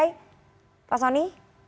oke pak soni